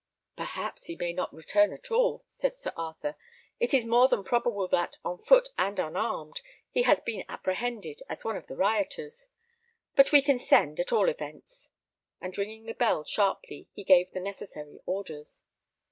"Perhaps he may not return at all," said Sir Arthur. "It is more than probable that, on foot and unarmed, he has been apprehended as one of the rioters, but we can send, at all events." And ringing the bell sharply, he gave the necessary orders.